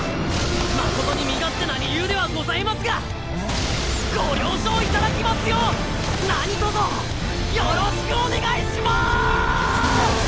誠に身勝手な理由ではございますがご了承いただきますよう何とぞよろしくお願いします！